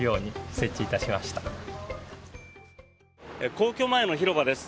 皇居前の広場です。